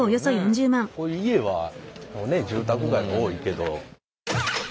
こう家は住宅街が多いけど。